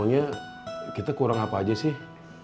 emangnya kita kurang apa aja sih hai